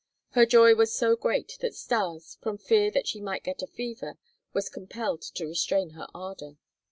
Her joy was so great that Stas, from fear that she might get a fever, was compelled to restrain her ardor.